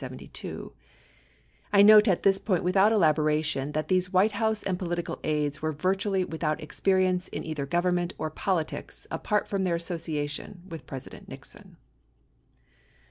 1 note at this point without elaboration that, these White House and political aides were virtually without experience in either Government or politics apart from their association with President Nixon.